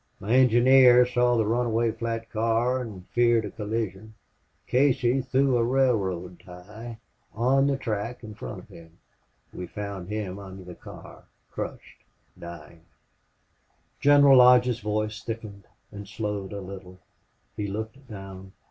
My engineer saw the runaway flat car and feared a collision.... Casey threw a railroad tie on the track in front of him.... We found him under the car crushed dying " General Lodge's voice thickened and slowed a little. He looked down.